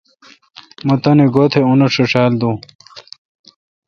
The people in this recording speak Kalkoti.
مہ تانی گو°تہ ان تے°ݭیݭال دون۔